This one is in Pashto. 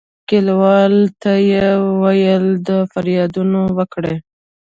کلیوالو ته یې ویل د فریادونه وکړي.